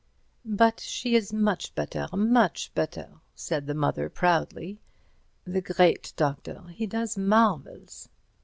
"But she is much better, much better," said the mother, proudly, "the great doctor, he does marvels."